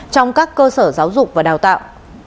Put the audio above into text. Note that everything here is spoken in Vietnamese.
trong các cơ sở giáo dục và đào tạo